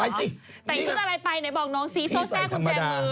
แต่งชุดอะไรไปนายบอกน้องสิโซ่แซ่กุญจมือเนี่ย